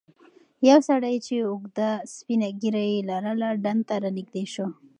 یو سړی چې اوږده سپینه ږیره یې لرله ډنډ ته رانږدې شو.